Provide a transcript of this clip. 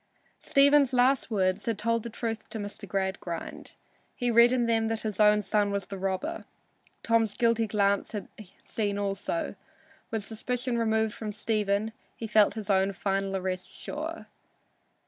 Stephen's last words had told the truth to Mr. Gradgrind. He read in them that his own son was the robber. Tom's guilty glance had seen also. With suspicion removed from Stephen, he felt his own final arrest sure.